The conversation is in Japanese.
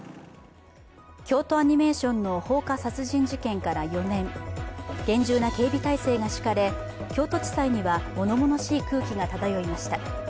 京都アニメーションの放火殺人事件から４年、厳重な警備体制が敷かれ、京都地裁にはものものしい空気が漂いました。